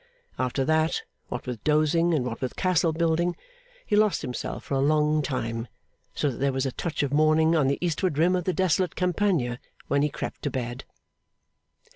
After that, what with dozing and what with castle building, he lost himself for a long time, so that there was a touch of morning on the eastward rim of the desolate Campagna when he crept to bed.